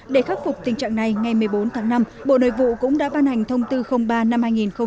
để khắc phục tình trạng này ngày một mươi bốn tháng năm bộ nội vụ cũng đã ban hành thông tư ba năm hai nghìn một mươi chín